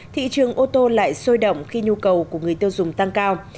thị trường ô tô lại sôi động khi nhu cầu của người tiêu dùng tăng cao